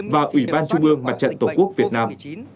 và ủy ban trung ương mặt trận tổ quốc việt nam